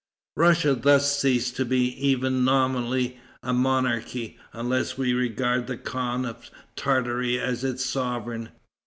Russia thus ceased to be even nominally a monarchy, unless we regard the Khan of Tartary as its sovereign.